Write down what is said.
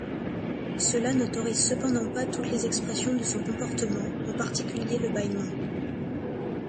Cela n'autorise cependant pas toutes les expressions de son comportement, en particulier le bâillement.